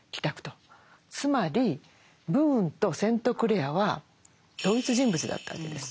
つまりブーンとセントクレアは同一人物だったわけです。